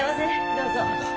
どうぞ。